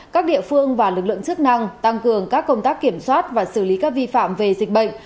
các địa phương và lực lượng chức năng tăng cường các công tác kiểm soát và xử lý các vi phạm về dịch bệnh